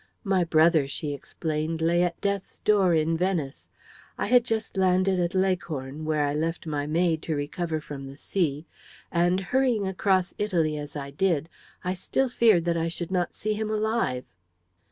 "My brother," she explained, "lay at death's door in Venice. I had just landed at Leghorn, where I left my maid to recover from the sea, and hurrying across Italy as I did, I still feared that I should not see him alive."